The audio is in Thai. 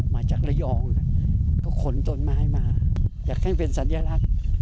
มาจากระยองก็ขนต้นไม้มาอยากให้เป็นสัญลักษณ์